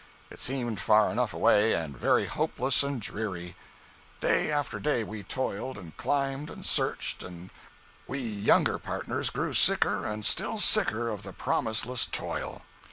It seemed far enough away, and very hopeless and dreary. Day after day we toiled, and climbed and searched, and we younger partners grew sicker and still sicker of the promiseless toil.